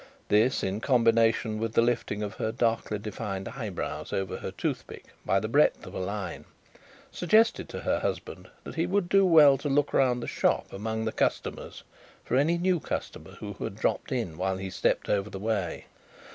This, in combination with the lifting of her darkly defined eyebrows over her toothpick by the breadth of a line, suggested to her husband that he would do well to look round the shop among the customers, for any new customer who had dropped in while he stepped over the way.